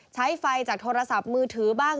ใช้ไฟจากโทรศัพท์มือถือบ้าง